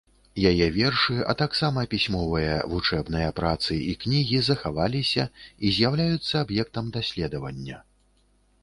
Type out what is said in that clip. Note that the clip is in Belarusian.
Яе вершы, а таксама пісьмовыя вучэбныя працы і кнігі захаваліся і з'яўляюцца аб'ектам даследавання.